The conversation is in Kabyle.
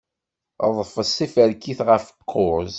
Ḍfes tiferkit ɣef kuẓ.